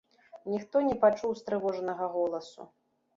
Ніхто не пачуў устрывожанага голасу.